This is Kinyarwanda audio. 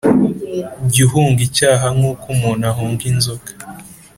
Jya uhunga icyaha nk'uko umuntu ahunga inzoka